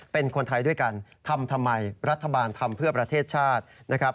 เป็นคนไทยด้วยกันทำทำไมรัฐบาลทำเพื่อประเทศชาตินะครับ